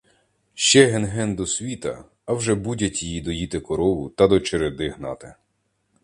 Ще ген-ген до світа, а вже будять її доїти корову та до череди гнати.